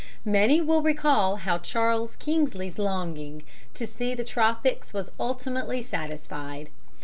] Many will recall how Charles Kingsley's longing to see the tropics was ultimately satisfied.